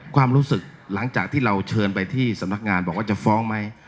ความรู้สึกหลังจากที่เราเชิญไปที่สำนักงานบอกว่าจะฟ้องไหม